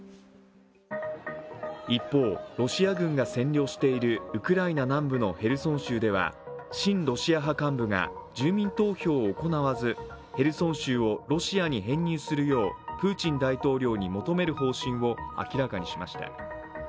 一方、ロシア軍が占領しているウクライナ南部のヘルソン州では親ロシア派幹部が住民投票を行わず、ヘルソン州をロシアに編入するようプーチン大統領に求める方針を明らかにしました。